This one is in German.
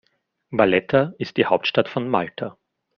Valletta ist die Hauptstadt von Malta.